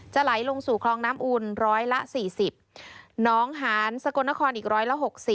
ไหลลงสู่คลองน้ำอุ่นร้อยละ๔๐น้องหานสกลนครอีกร้อยละ๖๐